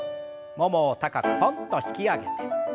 ももを高くポンと引き上げて。